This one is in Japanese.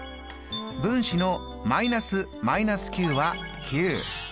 分子のーは９。